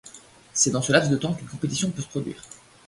C'est dans ce laps de temps qu'une compétition peut se produire.